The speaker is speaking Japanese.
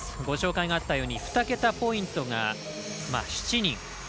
ご紹介があったように２桁ポイントが７人。